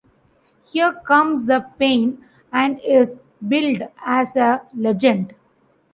Here Comes the Pain and is billed as a legend.